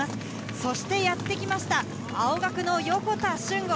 そしてやってきました、青学の横田俊吾。